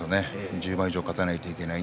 １０番以上勝てなくてはいけない。